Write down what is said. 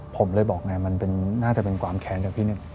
ผมเลยบอกไงมันน่าจะเป็นความแค้นจากพี่หนึ่ง